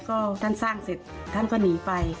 ก็ท่านสร้างเสร็จท่านก็หนีไป